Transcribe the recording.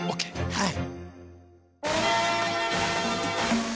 はい！